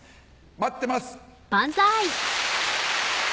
待ってます！